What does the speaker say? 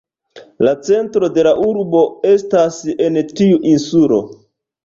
La centro de la urbo estas en tiu insulo.